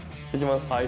いきます。